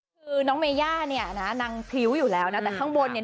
คือน้องเมย่าเนี่ยนะนางพริ้วอยู่แล้วนะแต่ข้างบนเนี่ย